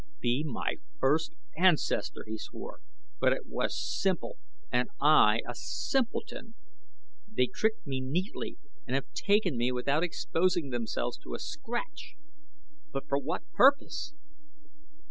"By my first ancestor!" he swore; "but it was simple and I a simpleton. They tricked me neatly and have taken me without exposing themselves to a scratch; but for what purpose?"